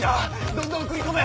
どんどん送り込め！